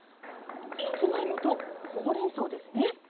さつまいもとほうれんそうですね。